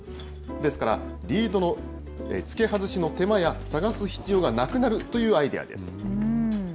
ですから、リードのつけ外しの手間や捜す必要がなくなるというアイデアです。